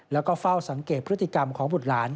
แล้วก็เฝ้าสังเกตพฤติกรรมของบุตรหลาน